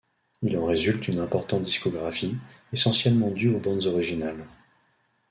Il en résulte une importante discographie, essentiellement due aux bandes originales.